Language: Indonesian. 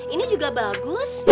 ini juga bagus